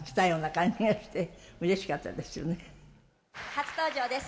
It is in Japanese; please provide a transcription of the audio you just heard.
初登場です。